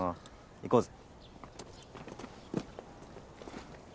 行こうぜ。